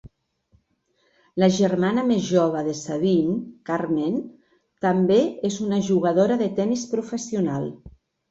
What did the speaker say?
La germana més jove de Sabine, Carmen, també és una jugadora de tennis professional.